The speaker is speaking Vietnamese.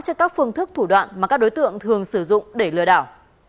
cho các phương thức thủ đoạn mà các đối tượng thường sử dụng để lừa đảo